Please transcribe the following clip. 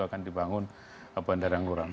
akan dibangun bandara ngeloram